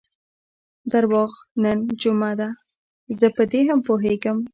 درواغ، نن جمعه ده، زه په دې هم پوهېږم.